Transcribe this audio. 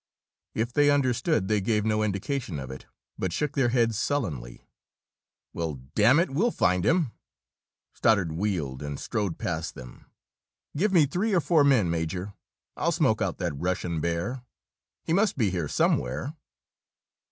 If they understood, they gave no indication of it, but shook their heads sullenly. "Well, damn it, we'll find him!" Stoddard wheeled and strode past them. "Give me three or four men, Major. I'll smoke out that Russian bear. He must be here somewhere."